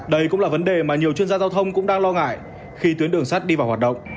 đây cũng là vấn đề mà nhiều chuyên gia giao thông cũng đang lo ngại khi tuyến đường sắt đi vào hoạt động